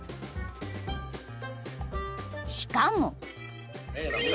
［しかも］